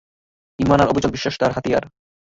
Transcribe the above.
ঈমান আর অবিচল বিশ্বাস তাঁর হাতিয়ার।